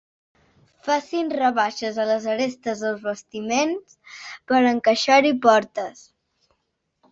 Facin rebaixes a les arestes dels bastiments per encaixar-hi portes.